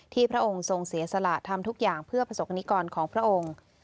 พระองค์ทรงเสียสละทำทุกอย่างเพื่อประสงค์นิกรของพระองค์